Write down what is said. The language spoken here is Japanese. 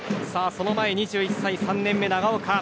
その前に２１歳、３年目の長岡。